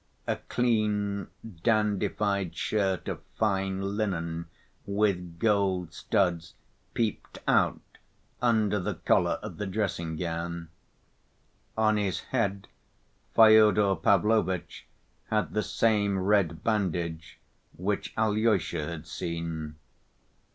A clean, dandified shirt of fine linen with gold studs peeped out under the collar of the dressing‐gown. On his head Fyodor Pavlovitch had the same red bandage which Alyosha had seen.